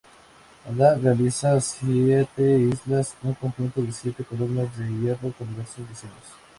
Abad realiza "Siete Islas", un conjunto de siete columnas de hierro con diversos diseños.